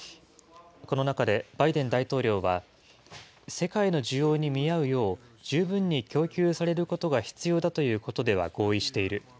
この中で、バイデン大統領は、世界の需要に見合うよう、十分に供給されることが必要だということでは合意している。